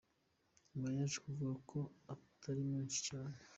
Nyuma yaje kuvuga ko atari menshi cyane.